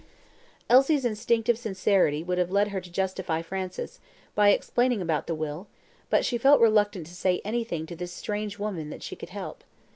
Elsie's instinctive sincerity would have led her to justify Francis, by explaining about the will, but she felt reluctant to say anything to this strange woman that she could help.